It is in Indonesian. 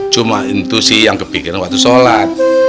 cuma intusi yang kepikiran